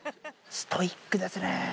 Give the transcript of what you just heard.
ストイックですね。